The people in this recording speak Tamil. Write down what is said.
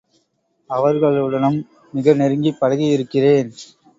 அவர்களுடனும் மிக நெருங்கிப் பழகியிருக்கிறேன்.